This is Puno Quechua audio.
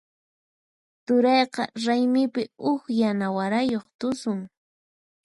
Turayqa raymipi huk yana warayuq tusun.